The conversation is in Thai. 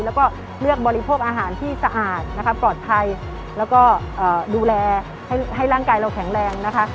แล้วก็เลือกบริโภคอาหารที่สะอาดนะคะปลอดภัยแล้วก็ดูแลให้ร่างกายเราแข็งแรงนะคะ